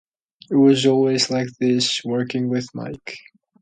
It was always like this, working with Mike.